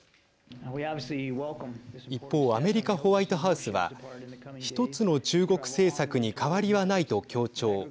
一方アメリカ、ホワイトハウスは１つの中国政策に変わりはないと強調。